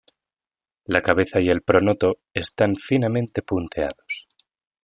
La cabeza y el pronoto están finamente punteados.